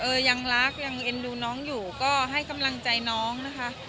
ยังรักยังเอ็นดูน้องอยู่ก็ให้กำลังใจน้องนะคะ